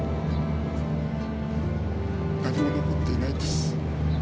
何も残っていないんです。